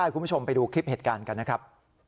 คุณผู้ชมไปดูคลิปเหตุการณ์กันนะครับ